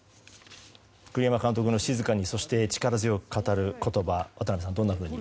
栗山監督の静かにそして力強く語る言葉渡辺さん、どんなふうに。